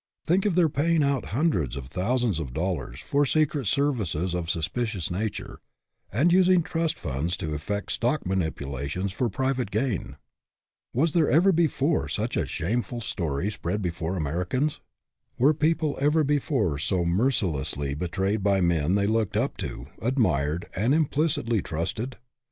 Think of their paying out hun dreds of thousands of dollars for secret ser vices of a suspicious nature, and using trust funds to effect stock manipulations for private gain! Was there ever before such a shameful story spread before Americans? Were people ever before so mercilessly betrayed by men they looked up to, admired, and implicitly trusted?